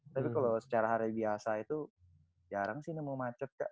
tapi kalau secara hari biasa itu jarang sih nemo macet kak